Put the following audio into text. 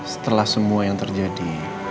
setelah semua yang terjadi